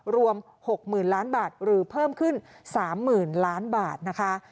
รวม๖๐๐๐ล้านบาทหรือเพิ่มขึ้น๓๐๐๐ล้านบาทนะคะ